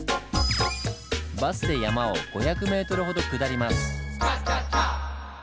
バスで山を５００ｍほど下ります。